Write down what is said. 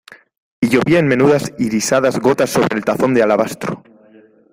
y llovía en menudas irisadas gotas sobre el tazón de alabastro.